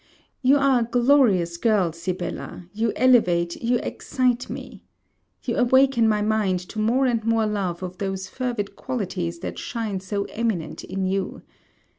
You are a glorious girl, Sibella, you elevate, you excite me! You awaken my mind to more and more love of those fervid qualities that shine so eminent in you.